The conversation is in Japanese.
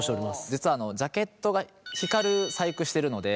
実はジャケットが光る細工してるので。